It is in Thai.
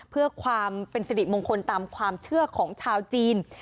เพื่อความเป็นสิริมงคลตามความเชื่อของชาวจีน